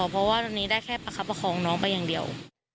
เพราะว่าตอนนี้ได้แค่ประคับประคองน้องไปอย่างเดียว